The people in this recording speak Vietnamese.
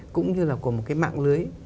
cũng như là của một cái mạng lưới